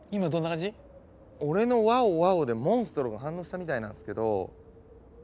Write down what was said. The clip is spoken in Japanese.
俺の「ワオワオ」でモンストロが反応したみたいなんですけど。